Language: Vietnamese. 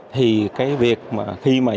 thì cái việc mà khi mà chúng ta có thể